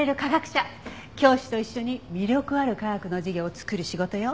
教師と一緒に魅力ある科学の授業を作る仕事よ。